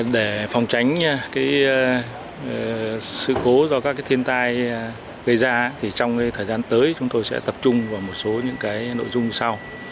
để phòng tránh sự cố do các thiên tai gây ra trong thời gian tới chúng tôi sẽ tập trung vào một số những nội dung sau